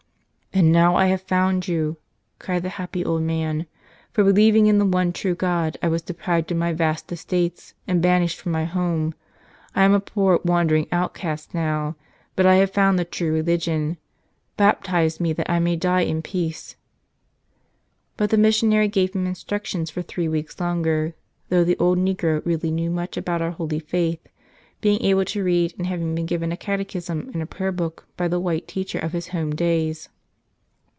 "And now I have found you!" cried the happy old man. "For believing in the one true God I was de¬ prived of my vast estates and banished from my home. I am a poor, wandering outcast now, but I have found the true religion. Baptize me that I may die in peace." But the missionary gave him instructions for three weeks longer, though the old negro really knew much about our holy faith, being able to read and having been given a catechism and a prayerbook by the white teacher of his home days.